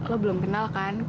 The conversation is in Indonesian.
lo belum kenal kan